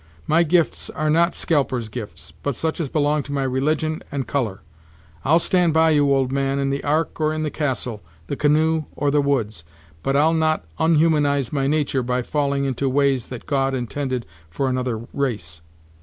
"My gifts are not scalpers' gifts, but such as belong to my religion and color. I'll stand by you, old man, in the ark or in the castle, the canoe or the woods, but I'll not unhumanize my natur' by falling into ways that God intended for another race.